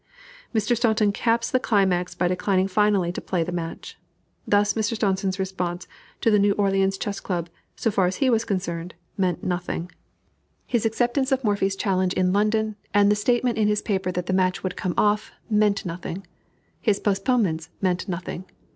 Mr. Staunton caps the climax by declining finally to play the match. Thus Mr. Staunton's response to the New Orleans Chess Club, so far as he was concerned, meant nothing. His acceptance of Morphy's challenge in London, and the statement in his paper that the match would come off, meant nothing. His postponements meant nothing.